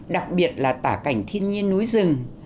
đặc biệt là tả cảnh thiên nhiên núi rừng